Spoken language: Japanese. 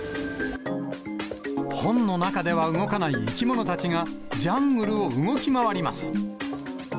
本の中では動かない生き物たちが、ジャングルを動き回ります。